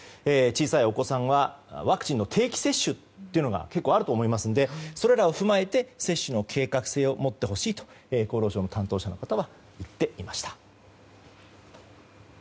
小さいお子さんはワクチンの定期接種ということがあると思いますのでそれらを踏まえて接種の計画性を持ってほしいと厚労省の担当者の方は言っていました。